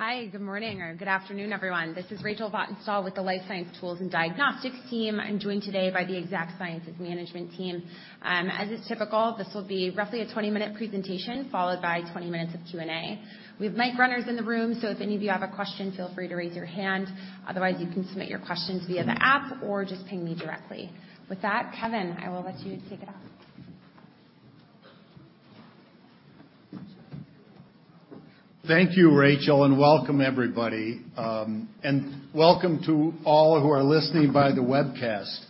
Hi, good morning, or good afternoon, everyone. This is Rachel Vatnsdal with the Life Science Tools and Diagnostics team. I'm joined today by the Exact Sciences management team. As is typical, this will be roughly a 20-minute presentation, followed by 20 minutes of Q&A. We have mic runners in the room, so if any of you have a question, feel free to raise your hand. Otherwise, you can submit your questions via the app or just ping me directly. With that, Kevin, I will let you take it off. Thank you, Rachel, and welcome everybody. And welcome to all who are listening by the webcast.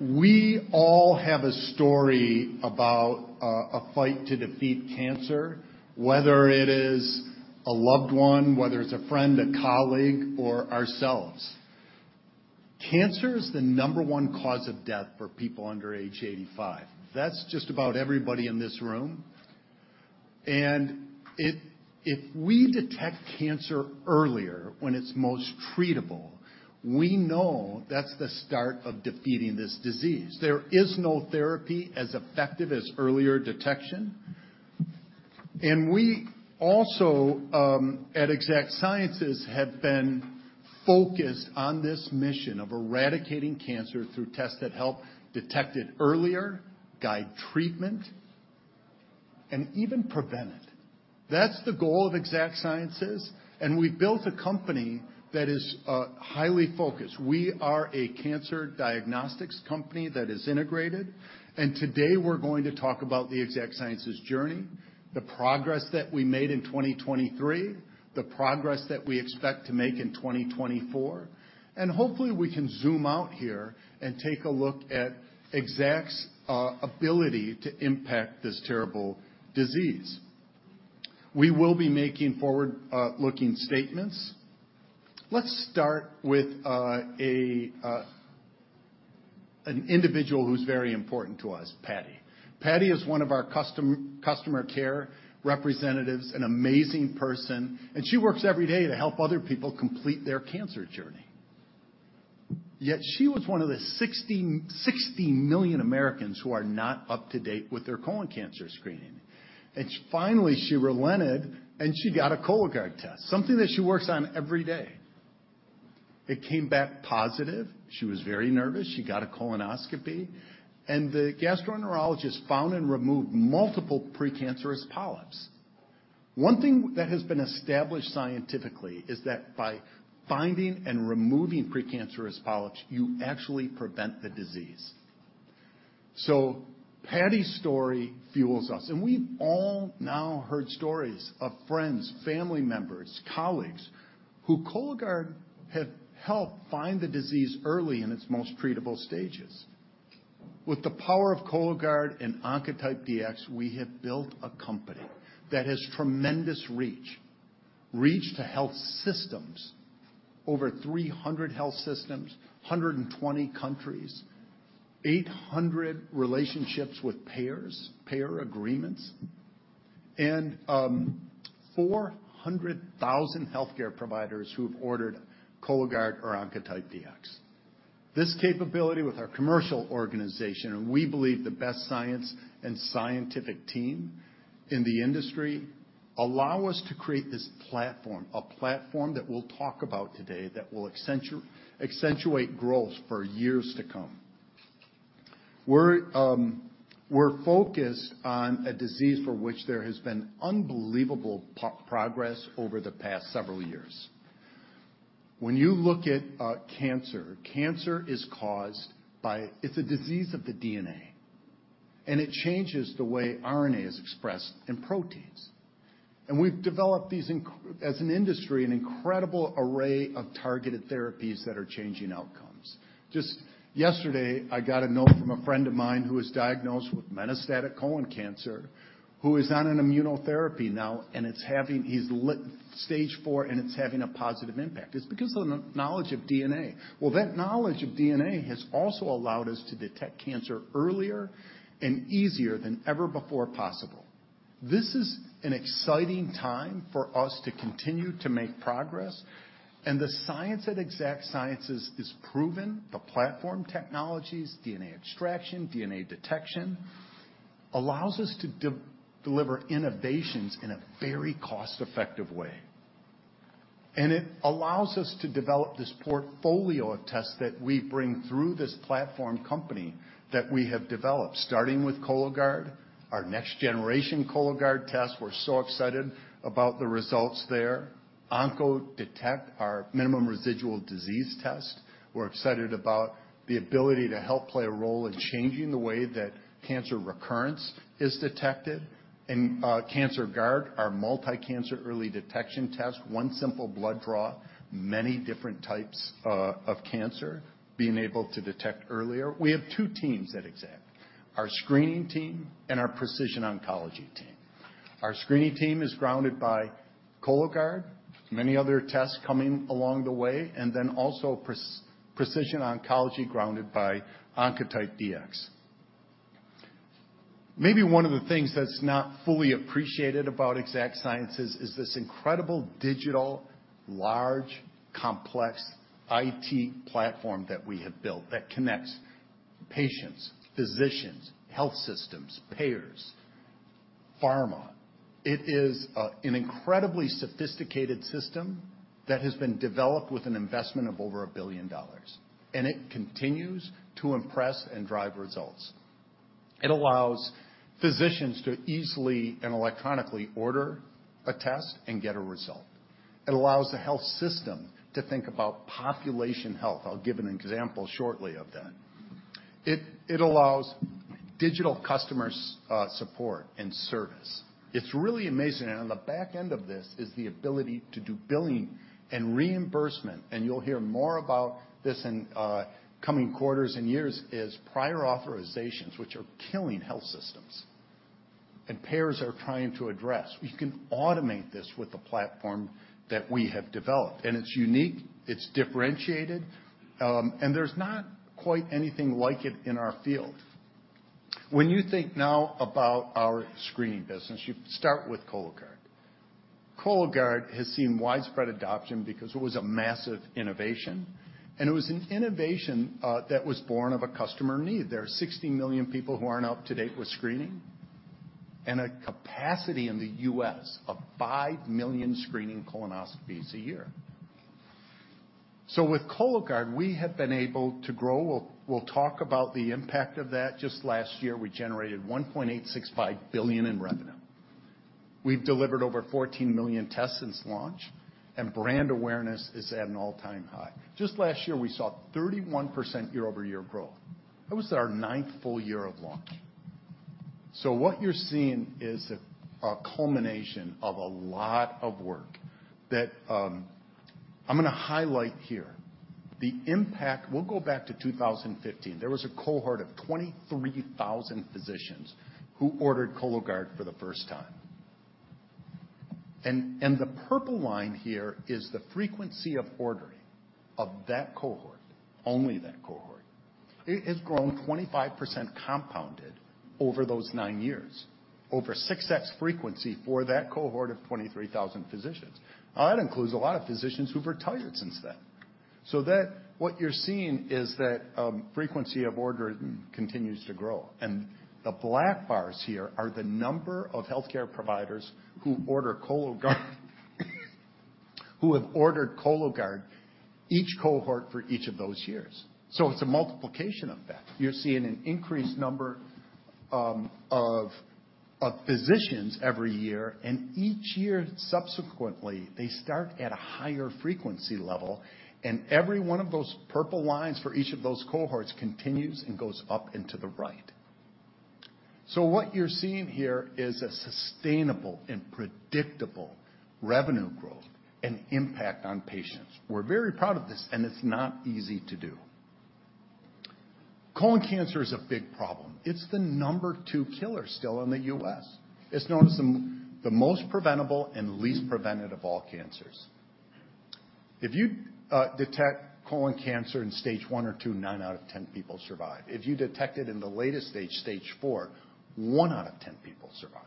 We all have a story about a fight to defeat cancer, whether it is a loved one, whether it's a friend, a colleague, or ourselves. Cancer is the number 1 cause of death for people under age 85. That's just about everybody in this room, and if we detect cancer earlier, when it's most treatable, we know that's the start of defeating this disease. There is no therapy as effective as earlier detection, and we also at Exact Sciences have been focused on this mission of eradicating cancer through tests that help detect it earlier, guide treatment, and even prevent it. That's the goal of Exact Sciences, and we built a company that is highly focused. We are a cancer diagnostics company that is integrated, and today we're going to talk about the Exact Sciences journey, the progress that we made in 2023, the progress that we expect to make in 2024, and hopefully, we can zoom out here and take a look at Exact's ability to impact this terrible disease. We will be making forward-looking statements. Let's start with an individual who's very important to us, Patty. Patty is one of our customer care representatives, an amazing person, and she works every day to help other people complete their cancer journey. Yet she was one of the 60 million Americans who are not up to date with their colon cancer screening, and finally, she relented, and she got a Cologuard test, something that she works on every day. It came back positive. She was very nervous. She got a colonoscopy, and the gastroenterologist found and removed multiple precancerous polyps. One thing that has been established scientifically is that by finding and removing precancerous polyps, you actually prevent the disease. So Patty's story fuels us, and we've all now heard stories of friends, family members, colleagues, who Cologuard had helped find the disease early in its most treatable stages. With the power of Cologuard and Oncotype DX, we have built a company that has tremendous reach. Reach to health systems. Over 300 health systems, 120 countries, 800 relationships with payers, payer agreements, and 400,000 healthcare providers who've ordered Cologuard or Oncotype DX. This capability with our commercial organization, and we believe the best science and scientific team in the industry, allow us to create this platform, a platform that we'll talk about today that will accentuate growth for years to come. We're focused on a disease for which there has been unbelievable progress over the past several years. When you look at cancer, cancer is caused by.... It's a disease of the DNA, and it changes the way RNA is expressed in proteins, and we've developed these, as an industry, an incredible array of targeted therapies that are changing outcomes. Just yesterday, I got a note from a friend of mine who was diagnosed with metastatic colon cancer, who is on an immunotherapy now, and it's having.... He's late stage four, and it's having a positive impact. It's because of the knowledge of DNA. Well, that knowledge of DNA has also allowed us to detect cancer earlier and easier than ever before possible. This is an exciting time for us to continue to make progress, and the science at Exact Sciences is proven. The platform technologies, DNA extraction, DNA detection, allows us to deliver innovations in a very cost-effective way. And it allows us to develop this portfolio of tests that we bring through this platform company that we have developed, starting with Cologuard, our next generation Cologuard test. We're so excited about the results there. Oncodetect, our minimum residual disease test. We're excited about the ability to help play a role in changing the way that cancer recurrence is detected. And, Cancerguard, our multi-cancer early detection test, one simple blood draw, many different types, of cancer being able to detect earlier. We have two teams at Exact, our screening team and our precision oncology team. Our screening team is grounded by Cologuard, many other tests coming along the way, and then also precision oncology, grounded by Oncotype DX. Maybe one of the things that's not fully appreciated about Exact Sciences is this incredible digital, large, complex IT platform that we have built that connects patients, physicians, health systems, payers, pharma. It is an incredibly sophisticated system that has been developed with an investment of over $1 billion, and it continues to impress and drive results. It allows physicians to easily and electronically order a test and get a result. It allows the health system to think about population health. I'll give an example shortly of that. It allows digital customer support and service. It's really amazing, and on the back end of this is the ability to do billing and reimbursement, and you'll hear more about this in coming quarters and years: prior authorizations, which are killing health systems and payers are trying to address. We can automate this with the platform that we have developed, and it's unique, it's differentiated, and there's not quite anything like it in our field. When you think now about our screening business, you start with Cologuard. Cologuard has seen widespread adoption because it was a massive innovation, and it was an innovation that was born of a customer need. There are 60 million people who aren't up-to-date with screening, and a capacity in the U.S. of 5 million screening colonoscopies a year. So with Cologuard, we have been able to grow. We'll talk about the impact of that. Just last year, we generated $1.865 billion in revenue. We've delivered over 14 million tests since launch, and brand awareness is at an all-time high. Just last year, we saw 31% year-over-year growth. That was our ninth full year of launch. So what you're seeing is a culmination of a lot of work that I'm gonna highlight here. The impact... We'll go back to 2015. There was a cohort of 23,000 physicians who ordered Cologuard for the first time. And the purple line here is the frequency of ordering of that cohort, only that cohort. It has grown 25% compounded over those nine years, over 6x frequency for that cohort of 23,000 physicians. Now, that includes a lot of physicians who've retired since then. So that, what you're seeing is that, frequency of order continues to grow, and the black bars here are the number of healthcare providers who order Cologuard, who have ordered Cologuard, each cohort for each of those years. So it's a multiplication effect. You're seeing an increased number of physicians every year, and each year subsequently, they start at a higher frequency level, and every one of those purple lines for each of those cohorts continues and goes up into the right. So what you're seeing here is a sustainable and predictable revenue growth and impact on patients. We're very proud of this, and it's not easy to do. Colon cancer is a big problem. It's the number two killer still in the U.S. It's known as the most preventable and least prevented of all cancers. If you detect colon cancer in stage 1 or 2, 9 out of 10 people survive. If you detect it in the latest stage, stage 4, 1 out of 10 people survive.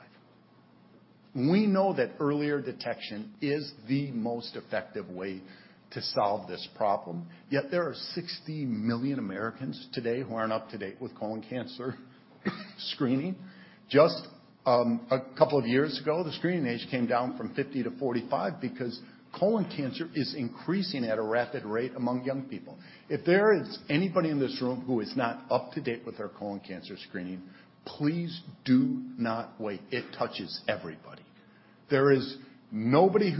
We know that earlier detection is the most effective way to solve this problem, yet there are 60 million Americans today who aren't up to date with colon cancer screening. Just a couple of years ago, the screening age came down from 50-45 because colon cancer is increasing at a rapid rate among young people. If there is anybody in this room who is not up to date with their colon cancer screening, please do not wait. It touches everybody. There is nobody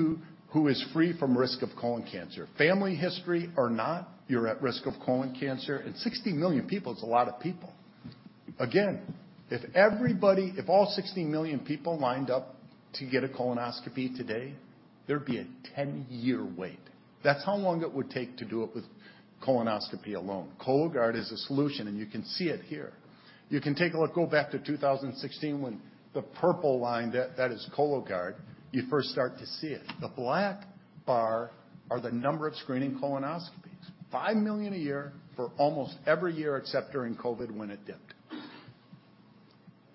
who is free from risk of colon cancer. Family history or not, you're at risk of colon cancer, and 60 million people is a lot of people. Again, if everybody, if all 60 million people lined up to get a colonoscopy today, there'd be a 10-year wait. That's how long it would take to do it with colonoscopy alone. Cologuard is a solution, and you can see it here. You can take a look. Go back to 2016 when the purple line, that is Cologuard, you first start to see it. The black bar are the number of screening colonoscopies, 5 million a year for almost every year, except during COVID, when it dipped.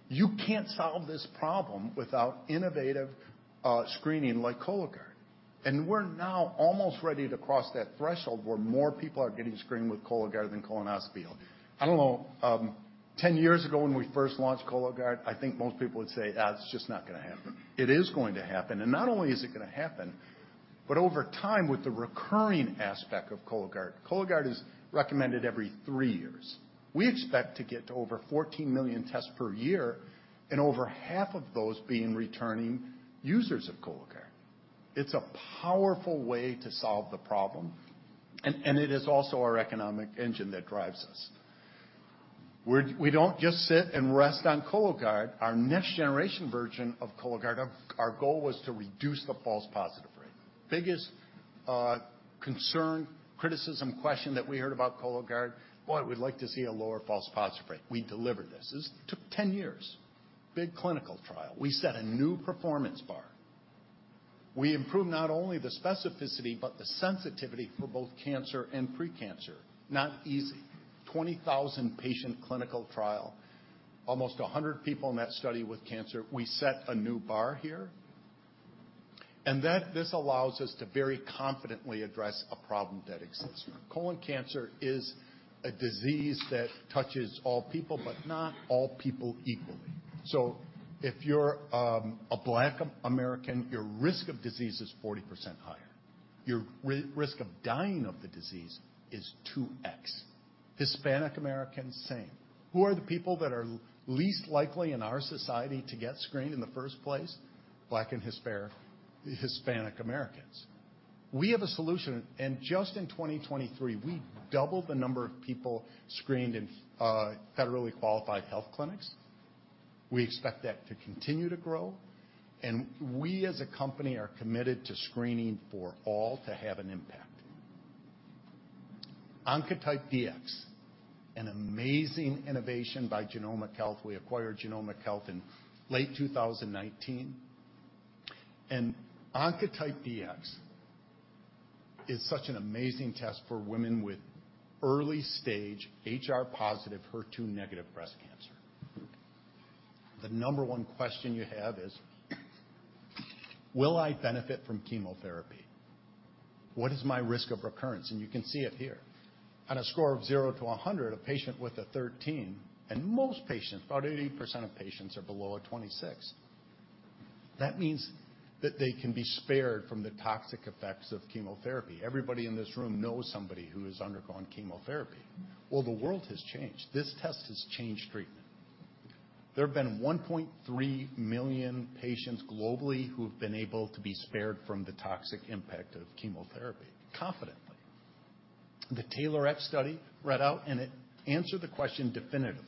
You can't solve this problem without innovative screening like Cologuard. And we're now almost ready to cross that threshold where more people are getting screened with Cologuard than colonoscopy. I don't know, 10 years ago, when we first launched Cologuard, I think most people would say, "Ah, it's just not gonna happen." It is going to happen, and not only is it gonna happen, but over time, with the recurring aspect of Cologuard, Cologuard is recommended every three years. We expect to get to over 14 million tests per year and over half of those being returning users of Cologuard. It's a powerful way to solve the problem, and, and it is also our economic engine that drives us. We're. We don't just sit and rest on Cologuard. Our next generation version of Cologuard, our goal was to reduce the false positive rate. Biggest concern, criticism, question that we heard about Cologuard: "Well, we'd like to see a lower false positive rate." We delivered this. This took 10 years, big clinical trial. We set a new performance bar. We improved not only the specificity, but the sensitivity for both cancer and pre-cancer. Not easy. 20,000-patient clinical trial, almost 100 people in that study with cancer. We set a new bar here. And that this allows us to very confidently address a problem that exists. Colon cancer is a disease that touches all people, but not all people equally. So if you're a Black American, your risk of disease is 40% higher. Your risk of dying of the disease is 2x. Hispanic Americans, same. Who are the people that are least likely in our society to get screened in the first place? Black and Hispanic, Hispanic Americans. We have a solution, and just in 2023, we doubled the number of people screened in federally qualified health clinics. We expect that to continue to grow, and we, as a company, are committed to screening for all to have an impact. Oncotype DX, an amazing innovation by Genomic Health. We acquired Genomic Health in late 2019, and Oncotype DX is such an amazing test for women with early-stage HR-positive, HER2-negative breast cancer. The number one question you have is: Will I benefit from chemotherapy? What is my risk of recurrence? And you can see it here. On a score of 0-100, a patient with a 13, and most patients, about 80% of patients, are below a 26. That means that they can be spared from the toxic effects of chemotherapy. Everybody in this room knows somebody who has undergone chemotherapy. Well, the world has changed. This test has changed treatment. There have been 1.3 million patients globally who have been able to be spared from the toxic impact of chemotherapy, confidently. The TAILORx study read out, and it answered the question definitively,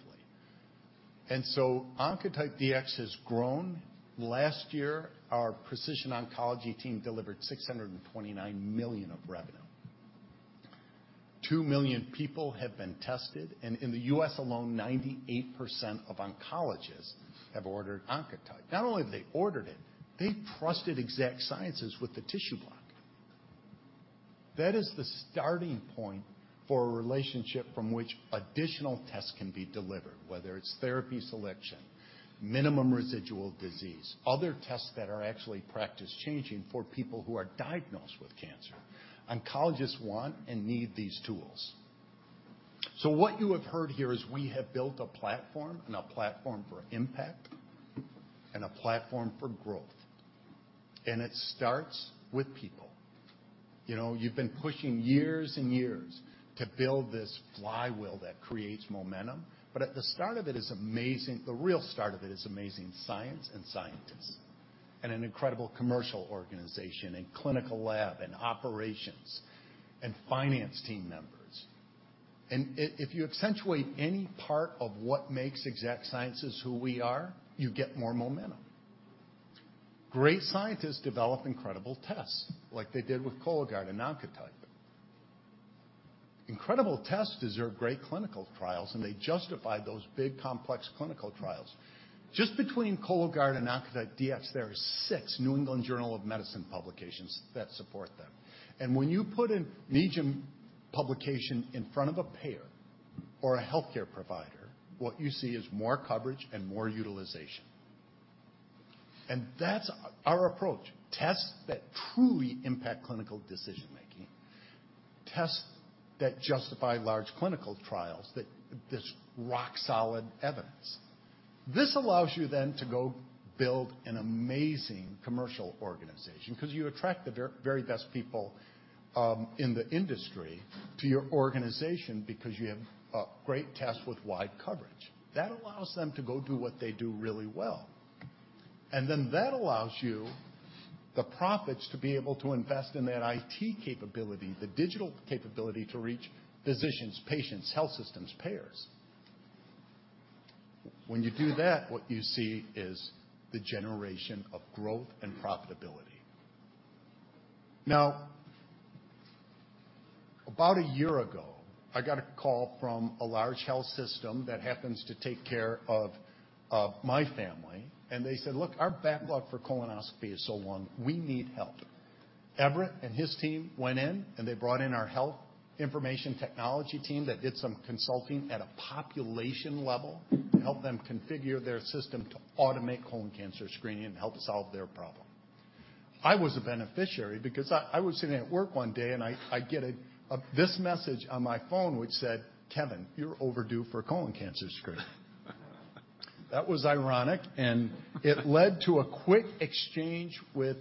and so Oncotype DX has grown. Last year, our precision oncology team delivered $629 million of revenue. 2 million people have been tested, and in the U.S. alone, 98% of oncologists have ordered Oncotype. Not only have they ordered it, they trusted Exact Sciences with the tissue block. That is the starting point for a relationship from which additional tests can be delivered, whether it's therapy selection, minimum residual disease, other tests that are actually practice-changing for people who are diagnosed with cancer. Oncologists want and need these tools. So what you have heard here is we have built a platform, and a platform for impact, and a platform for growth, and it starts with people. You know, you've been pushing years and years to build this flywheel that creates momentum, but at the start of it is amazing... The real start of it is amazing science and scientists, and an incredible commercial organization, and clinical lab, and operations, and finance team members. And if you accentuate any part of what makes Exact Sciences who we are, you get more momentum. Great scientists develop incredible tests, like they did with Cologuard and Oncotype. Incredible tests deserve great clinical trials, and they justify those big, complex clinical trials. Just between Cologuard and Oncotype DX, there are six New England Journal of Medicine publications that support them. And when you put a NEJM publication in front of a payer or a healthcare provider, what you see is more coverage and more utilization. And that's our approach, tests that truly impact clinical decision making, tests that justify large clinical trials, that there's rock-solid evidence. This allows you then to go build an amazing commercial organization because you attract the very best people in the industry to your organization because you have a great test with wide coverage. That allows them to go do what they do really well. And then that allows you the profits to be able to invest in that IT capability, the digital capability to reach physicians, patients, health systems, payers. When you do that, what you see is the generation of growth and profitability. Now, about a year ago, I got a call from a large health system that happens to take care of my family, and they said: "Look, our backlog for colonoscopy is so long, we need help." Everett and his team went in, and they brought in our health information technology team that did some consulting at a population level to help them configure their system to automate colon cancer screening and help solve their problem. I was a beneficiary because I was sitting at work one day, and I get this message on my phone, which said, "Kevin, you're overdue for a colon cancer screening." That was ironic, and it led to a quick exchange with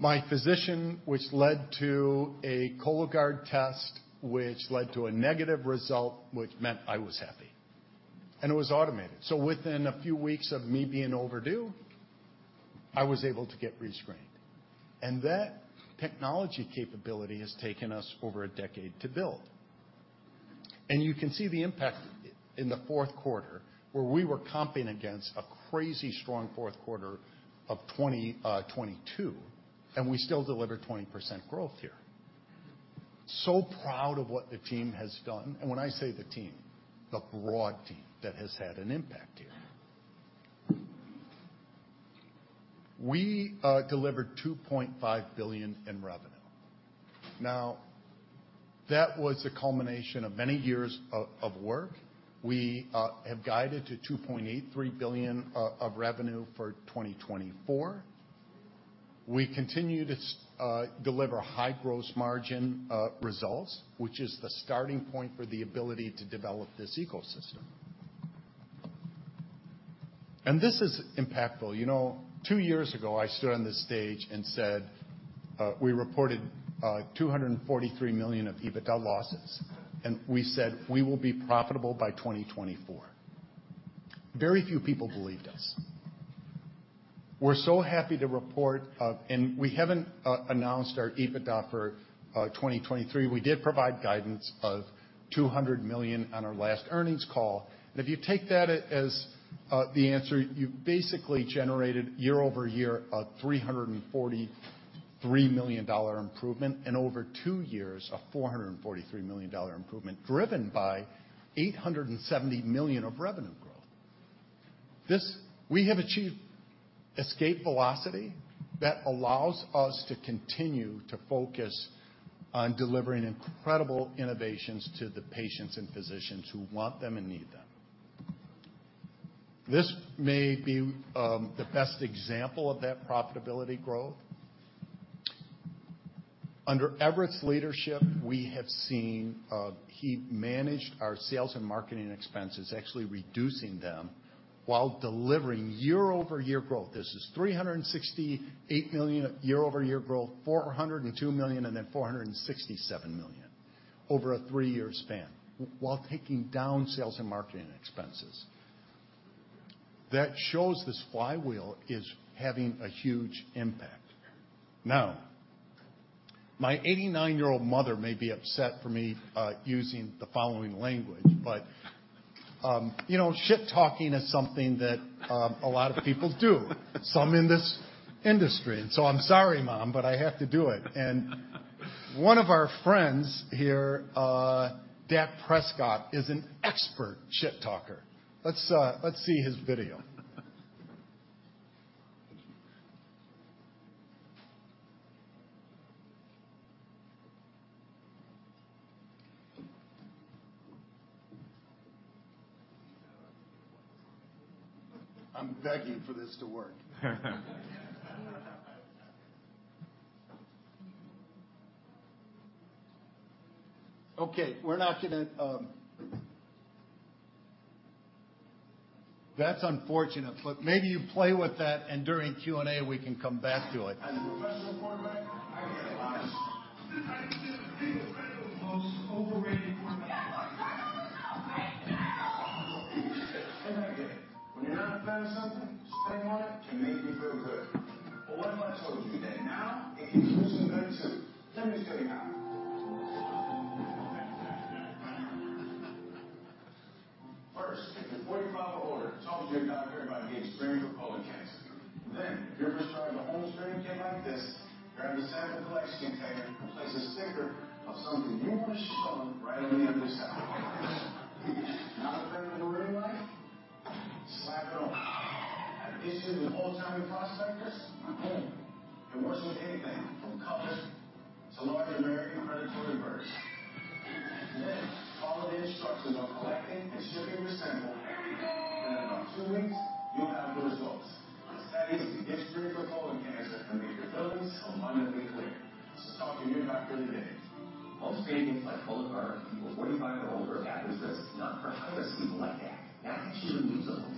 my physician, which led to a Cologuard test, which led to a negative result, which meant I was happy, and it was automated. So within a few weeks of me being overdue, I was able to get re-screened, and that technology capability has taken us over a decade to build. And you can see the impact in the fourth quarter, where we were comping against a crazy strong fourth quarter of 2022, and we still delivered 20% growth here. So proud of what the team has done, and when I say the team, the broad team that has had an impact here. We delivered $2.5 billion in revenue. Now that was the culmination of many years of work. We have guided to $2.83 billion of revenue for 2024. We continue to deliver high gross margin results, which is the starting point for the ability to develop this ecosystem. And this is impactful. You know, two years ago, I stood on this stage and said, we reported $243 million of EBITDA losses, and we said we will be profitable by 2024. Very few people believed us. We're so happy to report... We haven't announced our EBITDA for 2023. We did provide guidance of $200 million on our last earnings call. And if you take that as the answer, you've basically generated year-over-year, a $343 million dollar improvement, and over two years, a $443 million dollar improvement, driven by $870 million of revenue growth. This. We have achieved escape velocity that allows us to continue to focus on delivering incredible innovations to the patients and physicians who want them and need them. This may be the best example of that profitability growth. Under Everett's leadership, we have seen he managed our sales and marketing expenses, actually reducing them, while delivering year-over-year growth. This is $368 million year-over-year growth, $402 million, and then $467 million over a three-year span, while taking down sales and marketing expenses. That shows this flywheel is having a huge impact. Now, my 89-year-old mother may be upset for me using the following language, but you know, shit talking is something that a lot of people do, some in this industry. And so I'm sorry, Mom, but I have to do it. And one of our friends here, Dak Prescott, is an expert shit talker. Let's see his video. I'm begging for this to work. Okay, we're not gonna... That's unfortunate, but maybe you play with that, and during Q&A, we can come back to it. As a professional quarterback, I hear a lot of I consider the most overrated quarterback- Dad, turn off the show right now! Think about it. When you're not a fan of something, on it can make you feel good. But what if I told you that now it can make you feel good, too? Let me show you how. First, if you're 45 or older, talk to your doctor about getting screened for colon cancer. Then you're prescribed a home screening kit like this. Grab a sample collection container, and place a sticker of something you want to right on the end of the sample. Not a fan of marine life? Slap it on. Have issues with old-timey prospectors? Boom! It works with anything, from cutters to North American predatory birds. Then follow the instructions on collecting and shipping your sample. There we go. In about two weeks, you'll have the results. It's that easy to get screened for colon cancer and make your feelings abundantly clear. Talk to your doctor today. Home screenings, like Cologuard, are for people 45 or older at risk, not for high-risk people like Dak. Dak should have used a home testing kit, but he's so famous, many people can get colon cancer, and he pre-recorded this video we wrote for him without any concern for his safety. I think he'll live with that. Lead from behind the Alliance and more information and the stickers we made.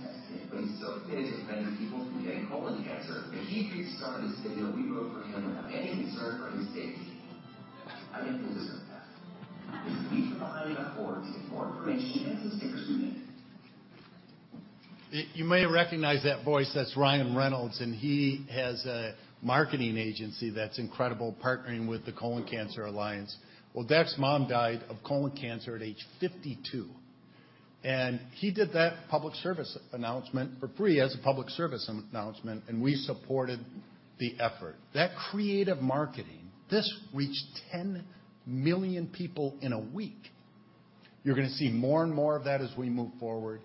You may recognize that voice. That's Ryan Reynolds, and he has a marketing agency that's incredible, partnering with the Colon Cancer Alliance. Well, Dak's mom died of colon cancer at age 52, and he did that public service announcement for free as a public service announcement, and we supported the effort. That creative marketing, this reached 10 million people in a week. You're gonna see more and more of that as we move forward.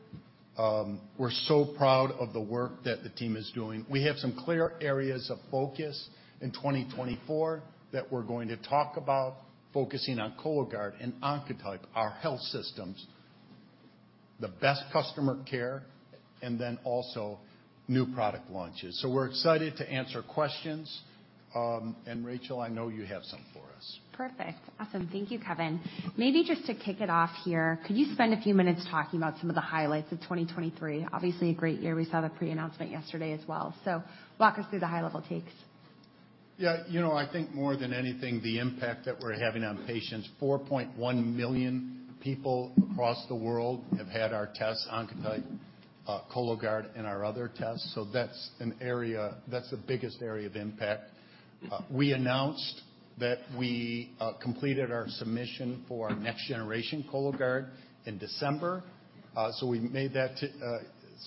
We're so proud of the work that the team is doing. We have some clear areas of focus in 2024 that we're going to talk about, focusing on Cologuard and Oncotype, our health systems, the best customer care, and then also new product launches. So we're excited to answer questions. And Rachel, I know you have some for us. Perfect. Awesome. Thank you, Kevin. Maybe just to kick it off here, could you spend a few minutes talking about some of the highlights of 2023? Obviously, a great year. We saw the pre-announcement yesterday as well. So walk us through the high-level takes. Yeah, you know, I think more than anything, the impact that we're having on patients, 4.1 million people across the world have had our tests, Oncotype, Cologuard, and our other tests. So that's an area... That's the biggest area of impact. We announced that we completed our submission for our next generation Cologuard in December. So we made that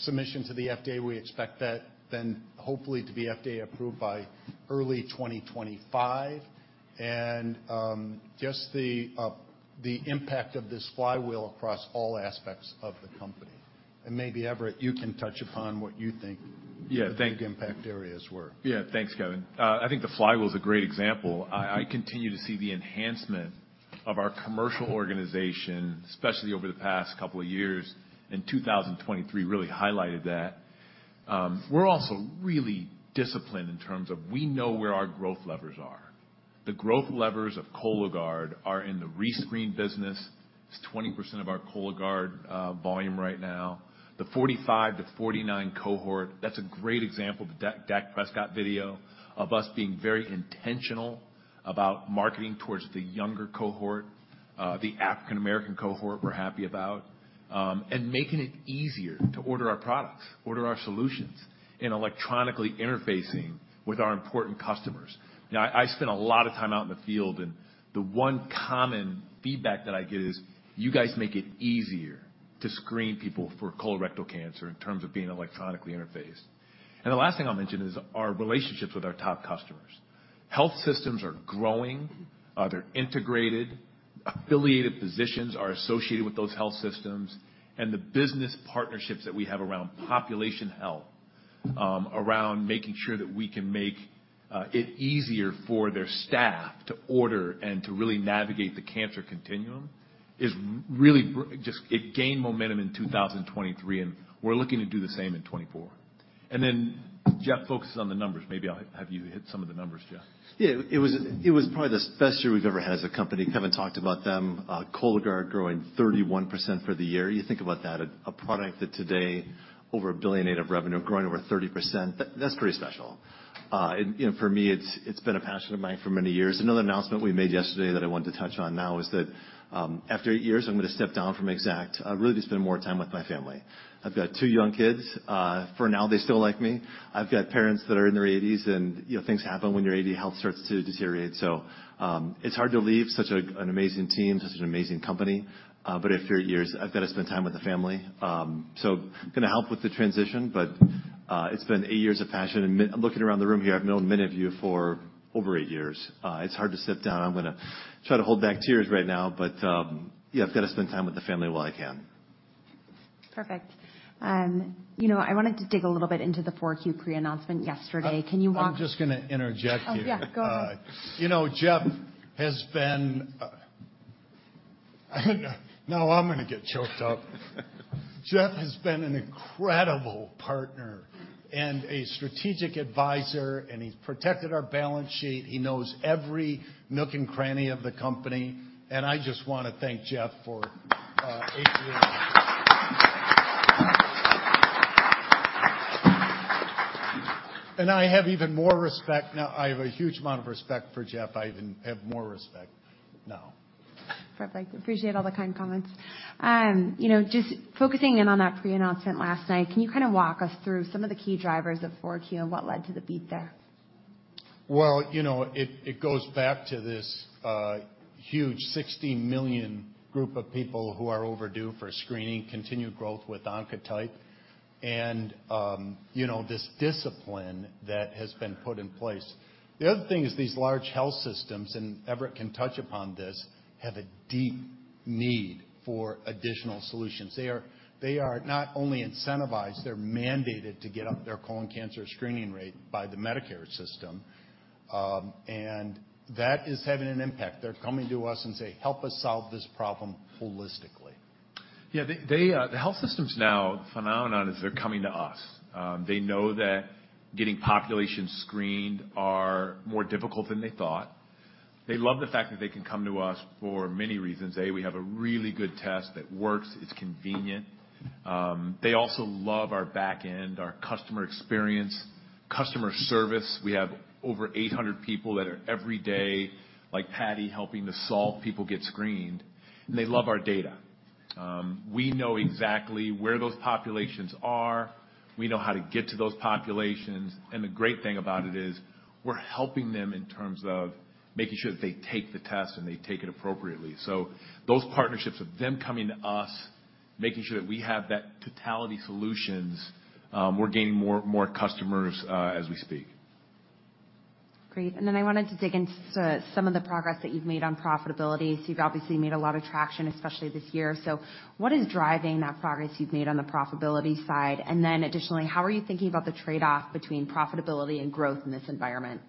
submission to the FDA. We expect that then hopefully to be FDA approved by early 2025, and just the impact of this flywheel across all aspects of the company.... And maybe Everett, you can touch upon what you think- Yeah, thank you. The big impact areas were. Yeah, thanks, Kevin. I think the flywheel is a great example. I continue to see the enhancement of our commercial organization, especially over the past couple of years, and 2023 really highlighted that. We're also really disciplined in terms of we know where our growth levers are. The growth levers of Cologuard are in the rescreen business. It's 20% of our Cologuard volume right now. The 45-49 cohort, that's a great example, the Dak Prescott video, of us being very intentional about marketing towards the younger cohort, the African American cohort, we're happy about. And making it easier to order our products, order our solutions, and electronically interfacing with our important customers. Now, I spent a lot of time out in the field, and the one common feedback that I get is: you guys make it easier to screen people for colorectal cancer in terms of being electronically interfaced. And the last thing I'll mention is our relationships with our top customers. Health systems are growing, they're integrated, affiliated physicians are associated with those health systems, and the business partnerships that we have around population health, around making sure that we can make it easier for their staff to order and to really navigate the cancer continuum, is really just it gained momentum in 2023, and we're looking to do the same in 2024. And then Jeff focuses on the numbers. Maybe I'll have you hit some of the numbers, Jeff. Yeah, it was, it was probably the best year we've ever had as a company. Kevin talked about them. Cologuard growing 31% for the year. You think about that, a product that today, over $1.8 billion of revenue, growing over 30%, that's pretty special. And you know, for me, it's, it's been a passion of mine for many years. Another announcement we made yesterday that I wanted to touch on now is that, after eight years, I'm going to step down from Exact, really to spend more time with my family. I've got two young kids. For now, they still like me. I've got parents that are in their 80s, and, you know, things happen when you're eighty. Health starts to deteriorate. So, it's hard to leave such an amazing team, such an amazing company. But after eight years, I've got to spend time with the family. So going to help with the transition, but it's been eight years of passion. And looking around the room here, I've known many of you for over eight years. It's hard to sit down. I'm going to try to hold back tears right now, but yeah, I've got to spend time with the family while I can. Perfect. You know, I wanted to dig a little bit into the 4Q pre-announcement yesterday. Can you walk- I'm just going to interject here. Oh, yeah, go ahead. You know, Jeff has been... Now I'm going to get choked up. Jeff has been an incredible partner and a strategic advisor, and he's protected our balance sheet. He knows every nook and cranny of the company, and I just want to thank Jeff for eight years. And I have even more respect now. I have a huge amount of respect for Jeff. I even have more respect now. Perfect. I appreciate all the kind comments. You know, just focusing in on that pre-announcement last night, can you kind of walk us through some of the key drivers of 4Q and what led to the beat there? Well, you know, it, it goes back to this huge 16 million group of people who are overdue for screening, continued growth with Oncotype and, you know, this discipline that has been put in place. The other thing is these large health systems, and Everett can touch upon this, have a deep need for additional solutions. They are, they are not only incentivized, they're mandated to get up their colon cancer screening rate by the Medicare system. And that is having an impact. They're coming to us and say: Help us solve this problem holistically. Yeah, they, the health systems now, the phenomenon is they're coming to us. They know that getting populations screened are more difficult than they thought. They love the fact that they can come to us for many reasons. A, we have a really good test that works, it's convenient. They also love our back end, our customer experience, customer service. We have over 800 people that are every day, like Patty, helping to solve people get screened. And they love our data. We know exactly where those populations are, we know how to get to those populations, and the great thing about it is, we're helping them in terms of making sure that they take the test and they take it appropriately. So those partnerships of them coming to us, making sure that we have that totality solutions. We're gaining more customers as we speak. Great. And then I wanted to dig into some of the progress that you've made on profitability. So you've obviously made a lot of traction, especially this year. So what is driving that progress you've made on the profitability side? And then additionally, how are you thinking about the trade-off between profitability and growth in this environment?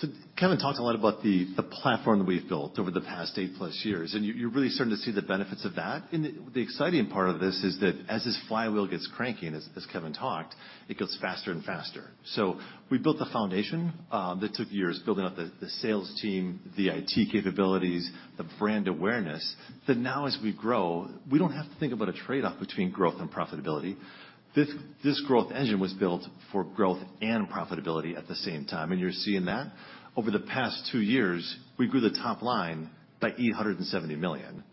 So Kevin talked a lot about the platform that we've built over the past 8+ years, and you're really starting to see the benefits of that. And the exciting part of this is that as this flywheel gets cranking, as Kevin talked, it goes faster and faster. So we built the foundation. That took years, building up the sales team, the IT capabilities, the brand awareness, that now as we grow, we don't have to think about a trade-off between growth and profitability. This growth engine was built for growth and profitability at the same time, and you're seeing that. Over the past two years, we grew the top line by $870 million.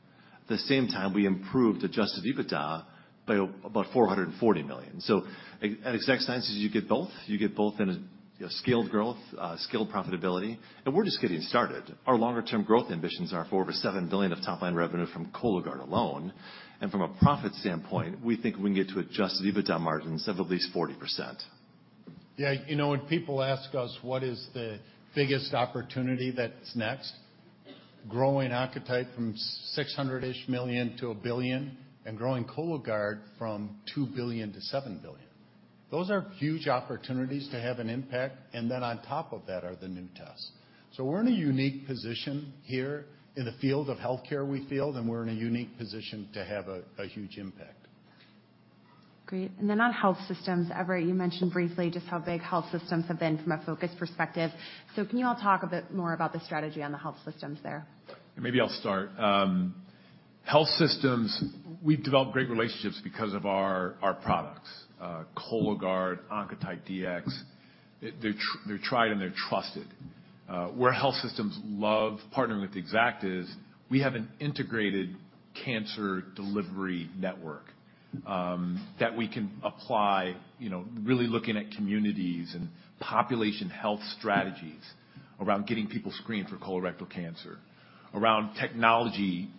The same time, we improved adjusted EBITDA by about $440 million. So at Exact Sciences, you get both. You get both in a scaled growth, scaled profitability, and we're just getting started. Our longer-term growth ambitions are for over $7 billion of top-line revenue from Cologuard alone. From a profit standpoint, we think we can get to adjusted EBITDA margins of at least 40%.... Yeah, you know, when people ask us what is the biggest opportunity that's next? Growing Oncotype DX from $600-ish million-$1 billion and growing Cologuard from $2 billion-$7 billion. Those are huge opportunities to have an impact, and then on top of that are the new tests. So we're in a unique position here in the field of healthcare, we feel, and we're in a unique position to have a, a huge impact. Great. And then on health systems, Everett, you mentioned briefly just how big health systems have been from a focus perspective. So can you all talk a bit more about the strategy on the health systems there? Maybe I'll start. Health systems, we've developed great relationships because of our, our products, Cologuard, Oncotype DX. They're tried and they're trusted. Where health systems love partnering with Exact is we have an integrated cancer delivery network that we can apply, you know, really looking at communities and population health strategies around getting people screened for colorectal cancer, around technology,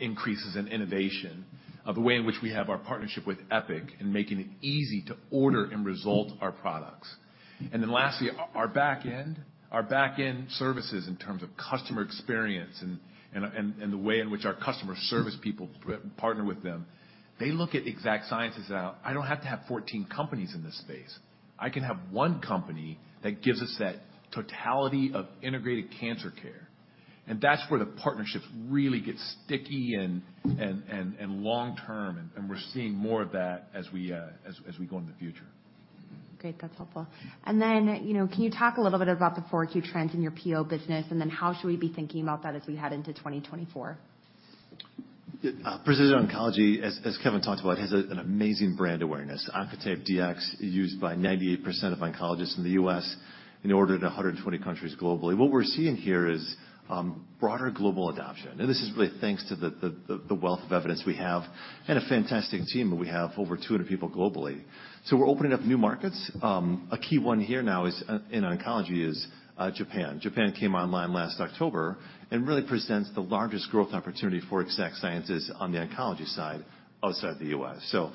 increases in innovation, the way in which we have our partnership with Epic and making it easy to order and result our products. And then lastly, our back end, our back-end services in terms of customer experience and the way in which our customer service people partner with them, they look at Exact Sciences as, "I don't have to have 14 companies in this space. I can have one company that gives us that totality of integrated cancer care." That's where the partnerships really get sticky and long term, and we're seeing more of that as we go in the future. Great. That's helpful. And then, you know, can you talk a little bit about the four key trends in your PO business, and then how should we be thinking about that as we head into 2024? Precision oncology, as Kevin talked about, has an amazing brand awareness. Oncotype DX is used by 98% of oncologists in the U.S. and ordered in 120 countries globally. What we're seeing here is broader global adoption, and this is really thanks to the wealth of evidence we have and a fantastic team, and we have over 200 people globally. So we're opening up new markets. A key one here now is, in oncology, is Japan. Japan came online last October and really presents the largest growth opportunity for Exact Sciences on the oncology side, outside the U.S. So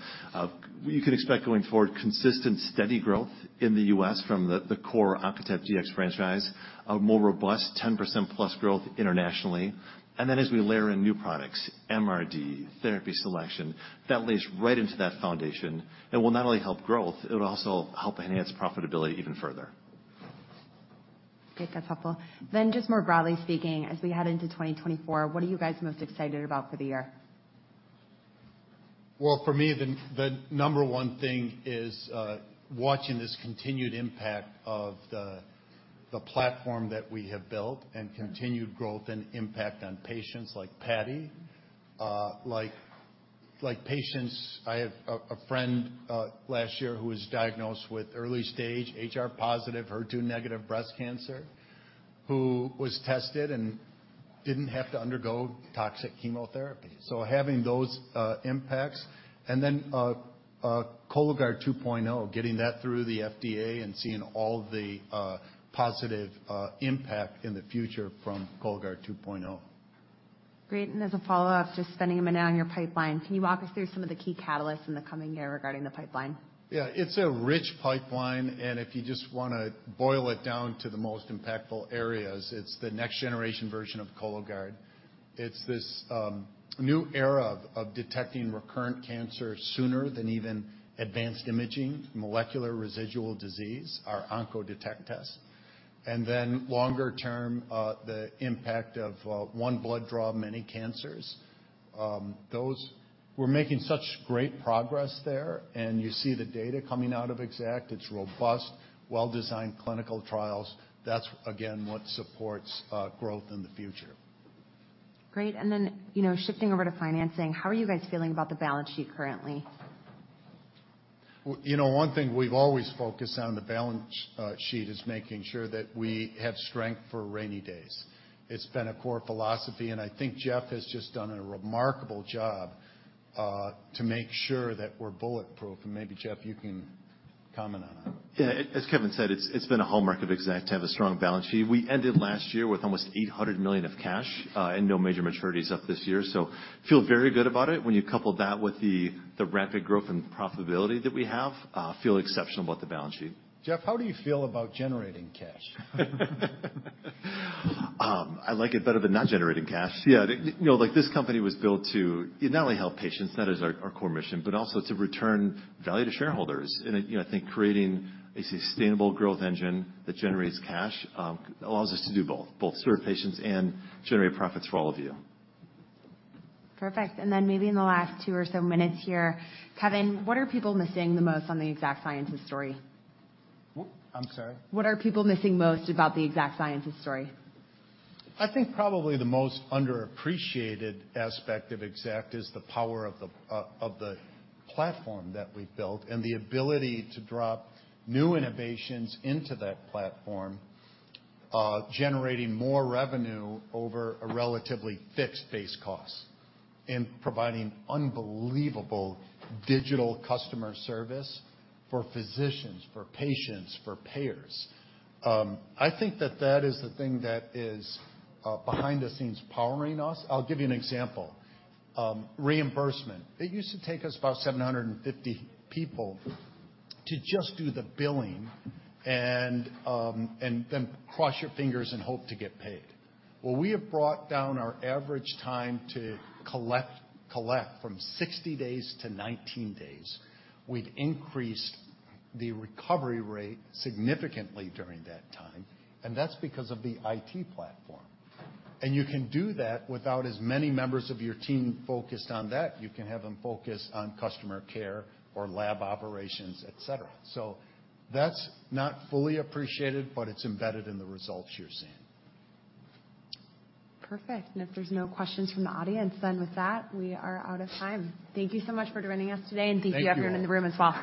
you can expect, going forward, consistent, steady growth in the U.S. from the core Oncotype DX franchise, a more robust 10% plus growth internationally. And then, as we layer in new products, MRD, therapy selection, that lays right into that foundation and will not only help growth, it will also help enhance profitability even further. Okay, that's helpful. Then, just more broadly speaking, as we head into 2024, what are you guys most excited about for the year? Well, for me, the number one thing is watching this continued impact of the platform that we have built and continued growth and impact on patients like Patty, like patients. I have a friend last year who was diagnosed with early-stage HR-positive, HER2-negative breast cancer, who was tested and didn't have to undergo toxic chemotherapy. So having those impacts and then Cologuard 2.0, getting that through the FDA and seeing all the positive impact in the future from Cologuard 2.0. Great. As a follow-up, just spending a minute on your pipeline, can you walk us through some of the key catalysts in the coming year regarding the pipeline? Yeah. It's a rich pipeline, and if you just wanna boil it down to the most impactful areas, it's the next generation version of Cologuard. It's this, new era of, of detecting recurrent cancer sooner than even advanced imaging, molecular residual disease, our Oncodetect test, and then longer term, the impact of, one blood draw, many cancers. Those-- We're making such great progress there, and you see the data coming out of Exact. It's robust, well-designed clinical trials. That's again, what supports, growth in the future. Great. And then, you know, shifting over to financing, how are you guys feeling about the balance sheet currently? Well, you know, one thing we've always focused on in the balance sheet is making sure that we have strength for rainy days. It's been a core philosophy, and I think Jeff has just done a remarkable job to make sure that we're bulletproof. And maybe, Jeff, you can comment on it. Yeah. As Kevin said, it's been a hallmark of Exact to have a strong balance sheet. We ended last year with almost $800 million of cash and no major maturities up this year, so feel very good about it. When you couple that with the rapid growth and profitability that we have, feel exceptional about the balance sheet. Jeff, how do you feel about generating cash? I like it better than not generating cash. Yeah, you know, like, this company was built to not only help patients, that is our, our core mission, but also to return value to shareholders. You know, I think creating a sustainable growth engine that generates cash allows us to do both: both serve patients and generate profits for all of you. Perfect. Then maybe in the last two or so minutes here, Kevin, what are people missing the most on the Exact Sciences story? What? I'm sorry. What are people missing most about the Exact Sciences story? I think probably the most underappreciated aspect of Exact is the power of the of the platform that we've built and the ability to drop new innovations into that platform, generating more revenue over a relatively fixed base cost and providing unbelievable digital customer service for physicians, for patients, for payers. I think that that is the thing that is behind the scenes, powering us. I'll give you an example. Reimbursement. It used to take us about 750 people to just do the billing and and then cross your fingers and hope to get paid. Well, we have brought down our average time to collect from 60 days to 19 days. We've increased the recovery rate significantly during that time, and that's because of the IT platform. You can do that without as many members of your team focused on that. You can have them focused on customer care or lab operations, et cetera. That's not fully appreciated, but it's embedded in the results you're seeing. Perfect. If there's no questions from the audience, then with that, we are out of time. Thank you so much for joining us today. Thank you. And thank you everyone in the room as well.